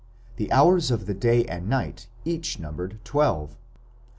The hours of the day and night each numbered twelve.